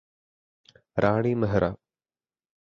Rani Mehra